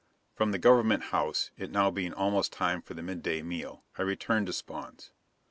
From the Government House, it now being almost time for the midday meal, I returned to Spawn's.